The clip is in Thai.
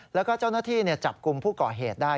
แล้วก็เจ้าหน้าที่จับกลุ่มผู้ก่อเหตุได้